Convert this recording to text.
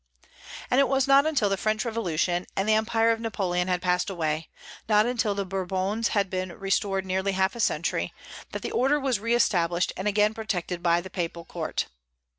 And it was not until the French Revolution and the empire of Napoleon had passed away, not until the Bourbons had been restored nearly half a century, that the Order was re established and again protected by the Papal court.